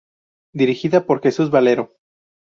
Dirigida por Jesús Valero.